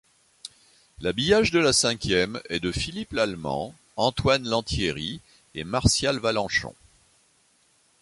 L'habillage de la Cinquième est de Philippe Lallemant, Antoine Lantieri et Martial Valenchon.